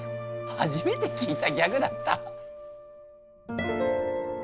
初めて聞いたギャグだった。